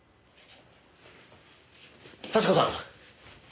幸子さん。